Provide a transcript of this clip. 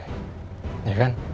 ya kan sedangkan lo tau